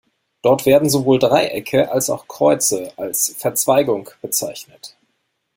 Dort werden sowohl Dreiecke als auch Kreuze als "Verzweigung" bezeichnet.